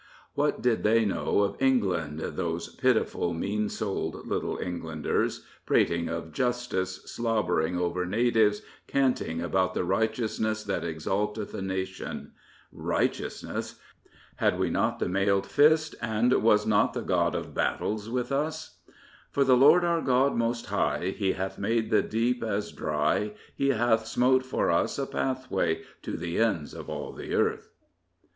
What did they know of England, those pitiful, mean souled Little Englanders, prating of justice, slobtiering over natives, canting about the " righteousness that exalteth a nation Righteousness ! Had we not the mailed fist, and was not the God of battles with us? —} For the Lord our God most High vj; He hath made the deep as dry, ^ He hath smote for us a pathway to the ends of all the Earth.